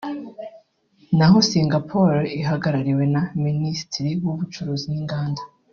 naho Singapore ihagarariwe na Minisitiri w’Ubucuruzi n’Inganda